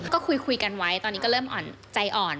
ก็คุยกันไว้ตอนนี้ก็เริ่มอ่อนใจอ่อน